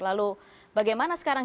lalu bagaimana sekarang